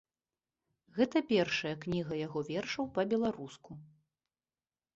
Гэта першая кніга яго вершаў па-беларуску.